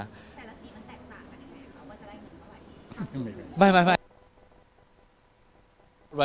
แต่ละสีมันแตกต่างกันยังไงคะว่าจะได้เงินเท่าไหร่